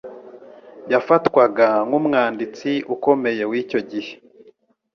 Yafatwaga nkumwanditsi ukomeye wicyo gihe.